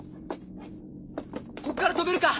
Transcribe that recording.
ここから飛べるか？